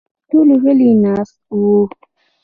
ټول غلي ناست وو.